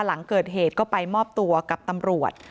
หลังเกิดเหตุก็ไปมอบตัวกับตำรวจ